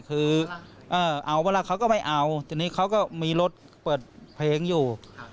คือเอาเวลาเขาก็ไม่เอาทีนี้เขาก็มีรถเปิดเพลงอยู่